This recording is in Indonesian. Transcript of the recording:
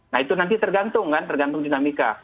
nah itu nanti tergantung kan tergantung dinamika